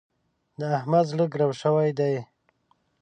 د احمد زړه ګرو شوی دی.